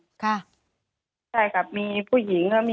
พี่เจ้าตามกับพวกคุณหมาว่ามีผู้หญิงพวกคนเกิดเผย